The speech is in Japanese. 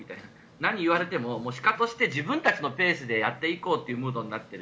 何を言われてもシカトして自分たちのペースでやっていこうというムードになっている。